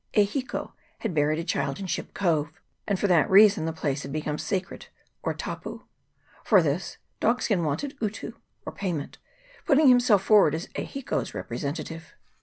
E Hiko had buried a child in Ship Cove, and for that reason the place had become sacred, or " tapu." For this " Dogskin" wanted " utu," or payment, putting himself forward as E Hiko's representative.